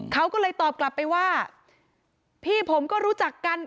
เขาก็เลยตอบกลับไปว่าพี่ผมก็รู้จักกัน